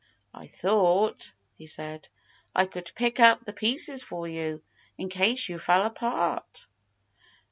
"I thought," he said, "I could pick up the pieces for you, in case you fell apart."